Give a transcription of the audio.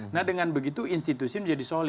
nah dengan begitu institusi menjadi solid